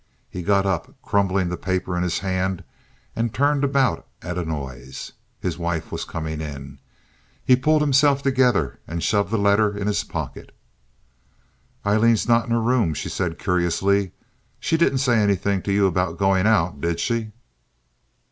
He got up, crumpling the paper in his hand, and turned about at a noise. His wife was coming in. He pulled himself together and shoved the letter in his pocket. "Aileen's not in her room," she said, curiously. "She didn't say anything to you about going out, did she?"